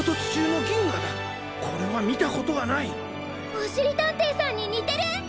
おしりたんていさんににてる！